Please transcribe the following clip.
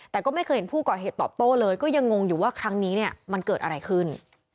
แต่ก็ไม่เคยเห็นผู้ก่อเหตุตอบโต้เลยก็ยังงงอยู่ว่าครั้งนี้เนี่ยมันเกิดอะไรขึ้น